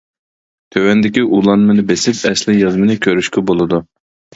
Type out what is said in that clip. تۆۋەندىكى ئۇلانمىنى بېسىپ ئەسلى يازمىنى كۆرۈشكە بولىدۇ.